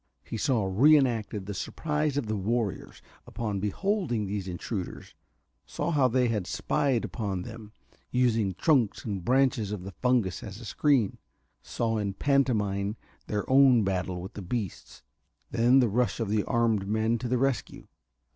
He saw reenacted the surprise of the warriors upon beholding these intruders; saw how they had spied out upon them, using trunks and branches of the fungus as a screen; saw in pantomime their own battle with the beasts, then the rush of the armed men to the rescue.